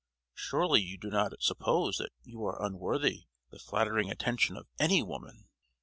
Surely you do not suppose that you are unworthy the flattering attention of any woman!